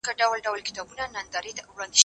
ته ولي مېوې وچوې